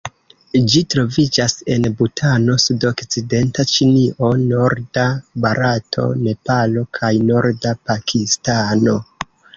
Ĝi troviĝas en Butano, sudokcidenta Ĉinio, norda Barato, Nepalo kaj norda Pakistano.